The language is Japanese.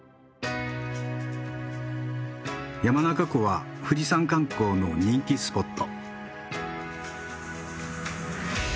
山中湖は富士山観光の人気スポット。